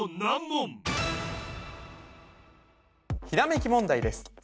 ひらめき問題です